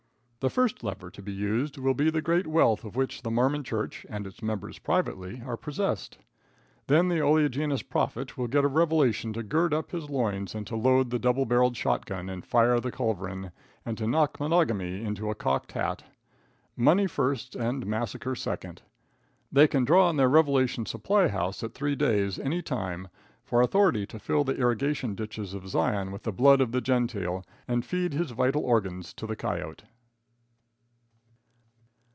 The first lever to be used will be the great wealth of which the Mormon church and its members privately are possessed. Then the oleaginous prophet will get a revelation to gird up his loins and to load the double barrel shotgun, and fire the culverin, and to knock monogamy into a cocked hat. Money first and massacre second. They can draw on their revelation supply house at three days, any time, for authority to fill the irrigation ditches of Zion with the blood of the Gentile and feed his vital organs to the coyote.